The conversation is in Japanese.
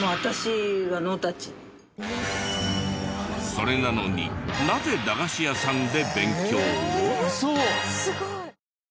それなのになぜ駄菓子屋さんで勉強を？